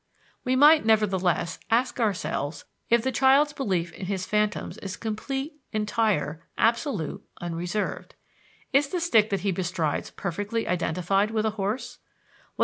We might, nevertheless, ask ourselves if the child's belief in his phantoms is complete, entire, absolute, unreserved. Is the stick that he bestrides perfectly identified with a horse?